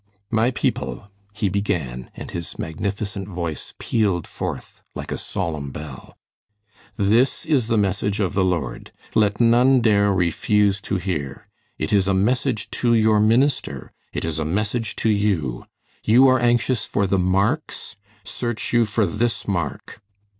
"My people," he began, and his magnificent voice pealed forth like a solemn bell, "this is the message of the Lord. Let none dare refuse to hear. It is a message to your minister, it is a message to you. You are anxious for 'the marks.' Search you for this mark."